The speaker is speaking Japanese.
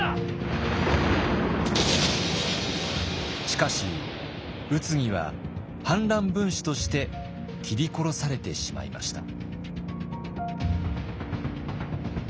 しかし宇津木は反乱分子として斬り殺されてしまいました。